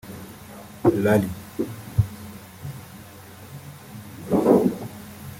Rally